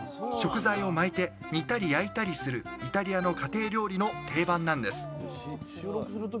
食材を巻いて煮たり焼いたりするイタリアの家庭料理の定番なんです！